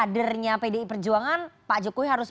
kadernya pdi perjuangan pak jokowi harus